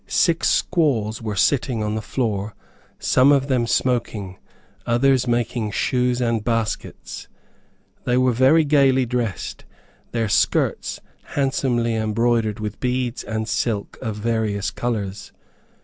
Six squaws were sitting on the floor, some of them smoking, others making shoes and baskets. They were very gayly dressed, their skirts handsomely embroidered with beads and silk of various colors.